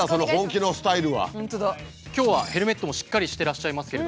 今日はヘルメットもしっかりしてらっしゃいますけれども。